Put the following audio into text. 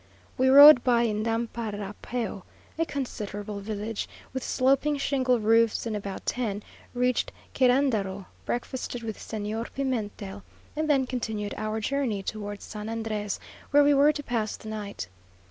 We rode by Yndaparapeo, a considerable village, with sloping shingle roofs; and about ten reached Querendaro, breakfasted with Señor Pimentel, and then continued our journey towards San Andrés, where we were to pass the night.